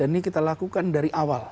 ini kita lakukan dari awal